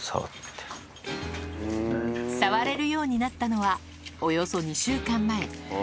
触れるようになったのは、およそ２週間前。